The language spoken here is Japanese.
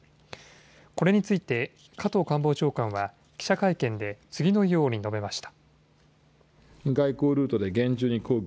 これについて加藤官房長官は記者会見で次のように述べました。